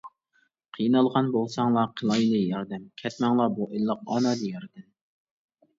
قىينالغان بولساڭلار قىلايلى ياردەم، كەتمەڭلار بۇ ئىللىق ئانا دىياردىن.